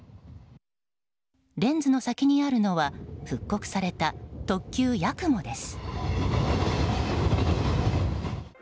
レンズの先にあるのは復刻された「特急やくも」です。